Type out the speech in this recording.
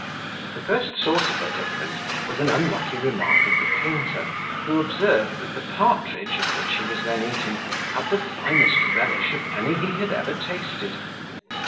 The first source of their difference was an unlucky remark of the painter, who observed that the partridge, of which he was then eating, had the finest relish of any he had ever tasted.